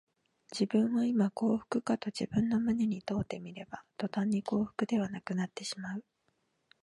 自分はいま幸福かと自分の胸に問うてみれば、とたんに幸福ではなくなってしまう